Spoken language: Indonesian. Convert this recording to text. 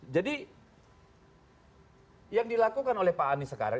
jadi yang dilakukan oleh pak anies sekarang